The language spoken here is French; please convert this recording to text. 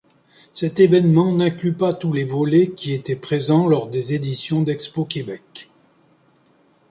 Cet événement n'inclut pas tous les volets qui étaient présents lors des éditions d'Expo-Québec.